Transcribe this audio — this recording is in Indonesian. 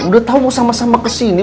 udah tahu mau sama sama kesini